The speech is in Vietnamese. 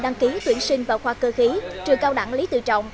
đăng ký tuyển sinh vào khoa cơ khí trường cao đẳng lý tự trọng